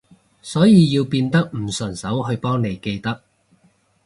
所以要變得唔順手去幫你記得